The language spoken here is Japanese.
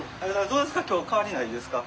どうですか？